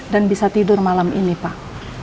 dan bisa tidur malam ini pak